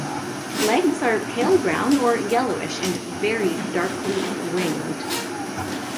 Legs are pale brown or yellowish and very darkly ringed.